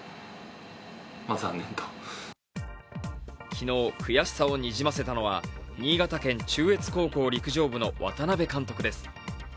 昨日、悔しさをにじませたのは新潟県中越高校陸上部の渡辺監督です。